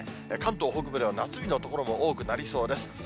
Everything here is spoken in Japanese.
関東北部では夏日の所も多くなりそうです。